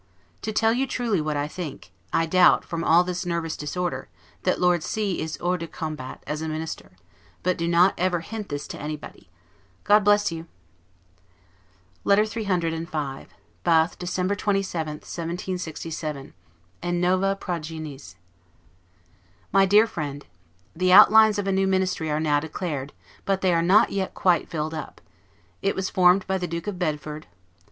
To tell you truly what I think I doubt, from all this NERVOUS DISORDER that Lord C is hors de combat, as a Minister; but do not ever hint this to anybody. God bless you! LETTER CC BATH, December 27, 1767. 'En nova progenies'! MY DEAR FRIEND: The outlines of a new Ministry are now declared, but they are not yet quite filled up; it was formed by the Duke of Bedford.